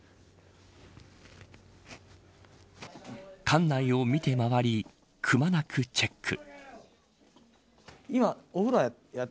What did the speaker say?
館内を見て回りくまなくチェック。